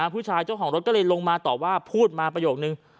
ผู้ชายเจ้าของรถก็เลยลงมาตอบว่าพูดมาประโยคนึง